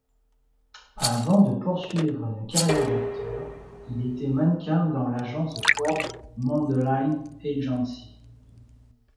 Avant de poursuivre une carrière d’acteur, il était mannequin dans l’agence Ford Modeling Agency.